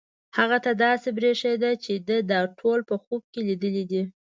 هغه ته داسې برېښېده چې ده دا ټول په خوب کې لیدلي دي.